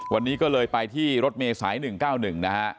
วันนี้ก็เลยไปที่รถเมษาย๑๙๑นะฮะ